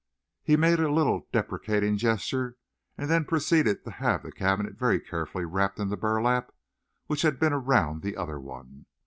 He made a little deprecating gesture, and then proceeded to have the cabinet very carefully wrapped in the burlap which had been around the other one.